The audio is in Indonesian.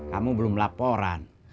kamu belum laporan